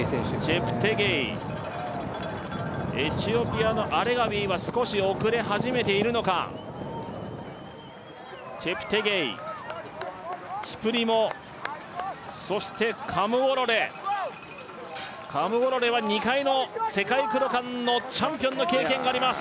チェプテゲイエチオピアのアレガウィは少し遅れ始めているのかチェプテゲイキプリモそしてカムウォロレカムウォロレは２回の世界クロカンのチャンピオンの経験があります